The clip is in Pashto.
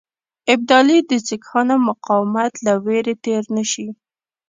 ابدالي د سیکهانو مقاومت له وېرې تېر نه شي.